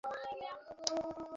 তোমাকে বোঝা খুবই সোজা, অ্যালান।